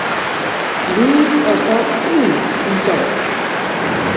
Leaves are dark green in summer.